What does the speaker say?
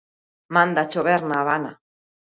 Manda chover na Habana